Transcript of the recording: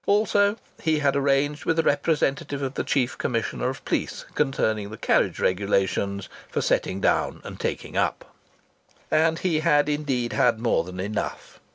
Also he had arranged with the representative of the Chief Commissioner of Police concerning the carriage regulations for "setting down and taking up." And he had indeed had more than enough.